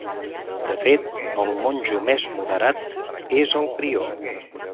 De fet el monjo més moderat és el prior.